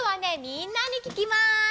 みんなにききます。